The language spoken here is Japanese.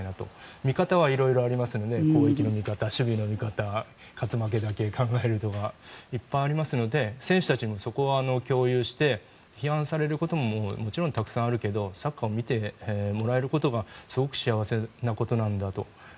見方は色々ありますので攻撃の見方、守備の見方勝ち負けだけ考えるとかいっぱいありますので選手たちはそこも共有して批判されることももちろんたくさんあるけどサッカーを見てもらえることがすごく幸せなことなんだと。